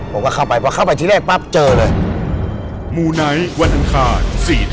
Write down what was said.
ผมก็เข้าไปเพราะเข้าไปที่แรกปั๊บเจอเลย